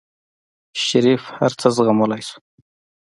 شريف هر څه زغملی شو.